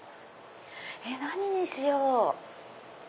何にしよう！